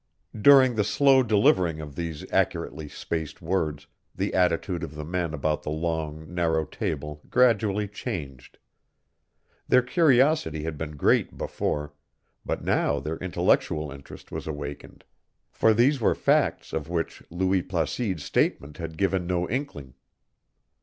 During the slow delivering of these accurately spaced words, the attitude of the men about the long, narrow table gradually changed. Their curiosity had been great before, but now their intellectual interest was awakened, for these were facts of which Louis Placide's statement had given no inkling.